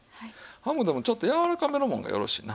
ハムでもちょっとやわらかめのもんがよろしいな。